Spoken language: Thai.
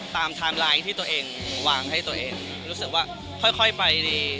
ตามที่ตัวเองวางให้ตัวเองรู้สึกว่าค่อยค่อยไปดี